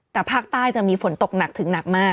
แต่ภาคใต้จะมีฝนตกหนักถึงหนักมาก